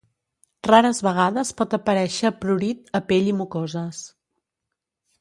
Rares vegades pot aparèixer prurit a pell i mucoses.